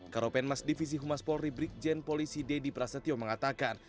karopenmas divisi humas polri brikjen polisi deddy prasetyo mengatakan